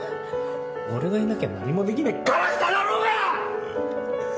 俺がいなきゃ何も出来ねえガラクタだろうが！